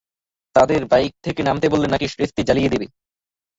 তাদের বাইক থেকে নামতে বললে নাকি স্ট্রেসটি জ্বালিয়ে দেবে।